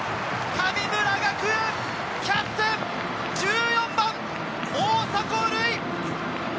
神村学園キャプテン１４番・大迫塁！